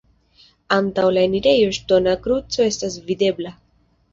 Antaŭ la enirejo ŝtona kruco estas videbla.